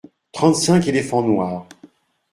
Trente-cinq éléphants noirs.